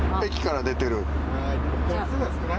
駅から出てる。